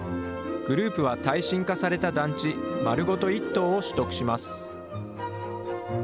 グループは耐震化された団地、丸ごと１棟を取得します。